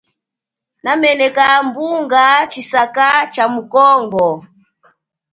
Nameneka bunga tshisaka cha mu Congo.